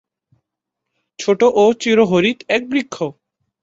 ছোট ও চিরহরিৎ এক বৃক্ষ।